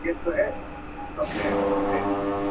زما به هم د غزلونو، دېوان وي، او زه به نه یم.